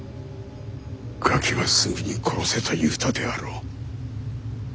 「ガキはすぐに殺せ」と言うたであろう。